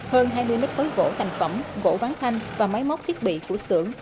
hơn hai mươi m mới gỗ thành phẩm gỗ ván thanh và máy móc thiết bị của xưởng